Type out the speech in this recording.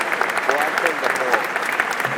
Walter de Burgh